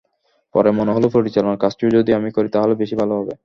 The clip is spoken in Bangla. পরে মনে হলো পরিচালনার কাজটিও যদি আমি করি, তাহলে বেশি ভালো হবে।